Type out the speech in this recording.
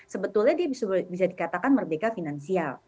sebetulnya dia bisa dikatakan merdeka finansial